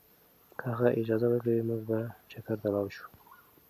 که هغه اجازه ورکړي، موږ به چکر ته لاړ شو.